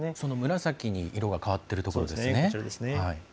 紫に色が変わっているところですね。